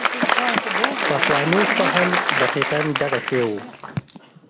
پخوانو فهم دقیقاً دغه شی و.